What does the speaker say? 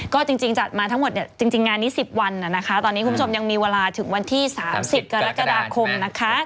ก็จริงจัดมาทั้งหมดเนี่ยจริงงานนี้๑๐วันตอนนี้คุณผู้ชมยังมีเวลาถึงวันที่๓๐กรกฎาคมนะคะ